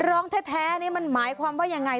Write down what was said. ร้องแท้นี่มันหมายความว่าอย่างไร